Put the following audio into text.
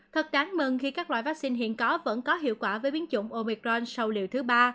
thật đáng mừng khi các loại vắc xin hiện có vẫn có hiệu quả với biến chủng omicron sau liệu thứ ba